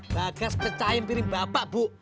bagas pecahin piring bapak bu